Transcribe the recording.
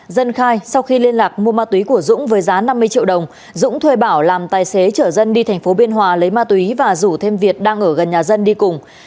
dân khai sau khi liên lạc mua ma túy của dũng với giá năm mươi triệu đồng dũng thuê bảo làm tài xế trở dân đi thành phố biên hòa lấy ma túy và rủ thêm việt đang ở gần nhà dân đi cùng